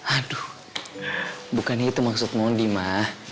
aduh bukannya itu maksud mondi mah